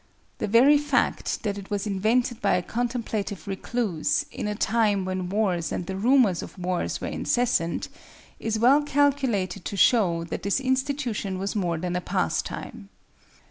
The very fact that it was invented by a contemplative recluse, in a time when wars and the rumors of wars were incessant, is well calculated to show that this institution was more than a pastime.